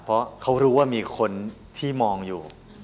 เพราะเขารู้ว่ามีคนที่มองอยู่